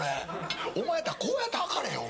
お前やったらこうやって測れよ。